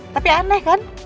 tapi aneh kan